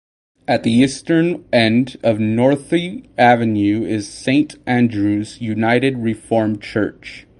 At the eastern end of Northey Avenue is Saint Andrews United Reform Church.